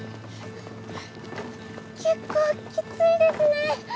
結構きついですね。